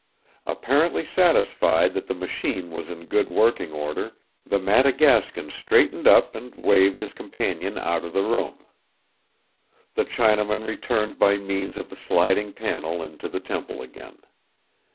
Apparently satisfied that the machine was in good working order, the Madagascan straightened up and waved his companion out of the room. The Chinaman returned by means of the sliding panel into the temple again.